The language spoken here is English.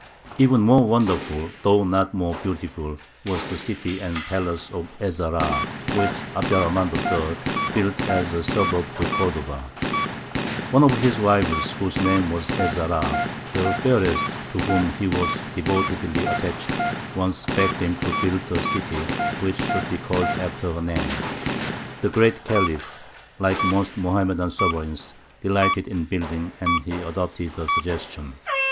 Even more wonderful, though not more beautiful, was the city and palace of Ez Zahrā, which Abd er Rahmān III. built as a suburb to Cordova. One of his wives, whose name was Ez Zahrā, "the Fairest," to whom he was devotedly attached, once begged him to build her a city which should be called after her name. The Great Khalif, like most Mohammedan sovereigns, delighted in building, and he adopted the suggestion.